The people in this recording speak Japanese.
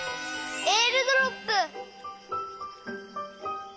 えーるドロップ！